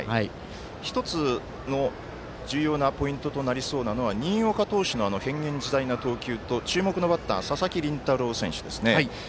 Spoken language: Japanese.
１つの重要なポイントとなりそうなのは新岡投手の変幻自在な投球と注目のバッター佐々木麟太郎選手ですね。